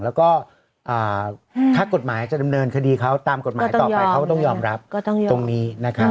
แล้วก็ถ้ากฎหมายจะดำเนินคดีเขาตามกฎหมายต่อไปเขาต้องยอมรับตรงนี้นะครับ